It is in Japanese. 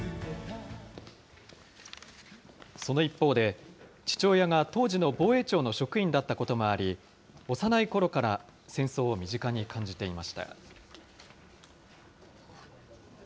その一方で、父親が当時の防衛庁の職員だったこともあり、幼いころから戦争を身近に感じていました。